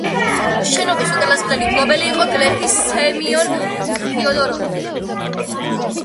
შენობის უკანასკნელი მფლობელი იყო გლეხი სემიონ ფიოდოროვი.